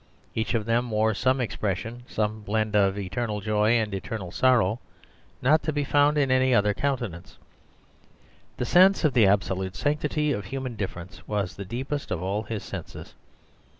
Each one of them wore some expression, some blend of eternal joy and eternal sorrow, not to be found in any other countenance. The sense of the absolute sanctity of human difference was the deepest of all his senses.